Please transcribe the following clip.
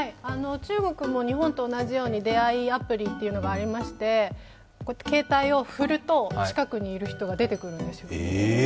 中国も日本と同じように出会いアプリがありまして携帯を振ると近くにいる人が出てくるんですよ。